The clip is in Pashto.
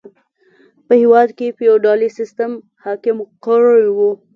په هېواد کې فیوډالي سیستم حاکم کړی و.